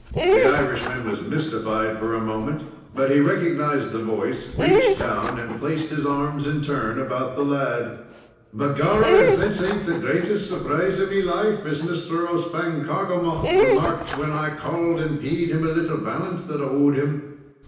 The Irishman was mystified for a moment, but he recognized the voice, reached down, and placed his arms in turn about the lad. "Begorrah, if this ain't the greatest surprise of me life, as Mr. O'Spangarkoghomagh remarked when I called and paid him a little balance that I owed him.